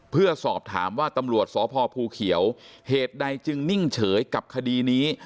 เพื่อสอบถามว่าตำรวจสพภูเขียวเหตุใดจึงนิ่งเฉยกับคดีนี้